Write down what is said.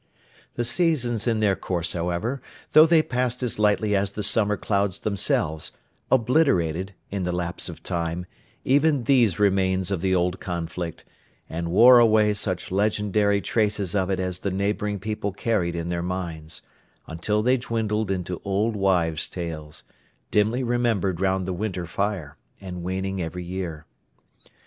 The Seasons in their course, however, though they passed as lightly as the summer clouds themselves, obliterated, in the lapse of time, even these remains of the old conflict; and wore away such legendary traces of it as the neighbouring people carried in their minds, until they dwindled into old wives' tales, dimly remembered round the winter fire, and waning every year.